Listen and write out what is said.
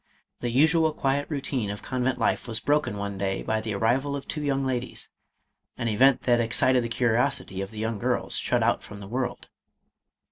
The usual quiet routine of con vent life was broken one day by the arrival of two young ladies — an event that excited the curiosity of the young girls, shut out from the world.